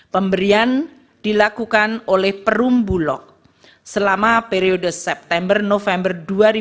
pemberian dilakukan oleh perumbulok selama periode september november dua ribu dua puluh